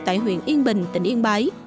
tại huyện yên bình tỉnh yên báy